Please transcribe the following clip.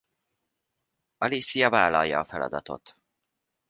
Alicia vállalja a feladatot.